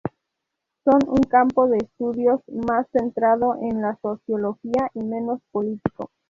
Son un campo de estudios más centrado en la sociología y menos político.